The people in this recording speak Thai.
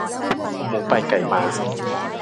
หมูไปไก่มา